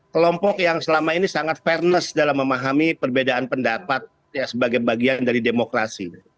kelompok yang selama ini sangat fairness dalam memahami perbedaan pendapat sebagai bagian dari demokrasi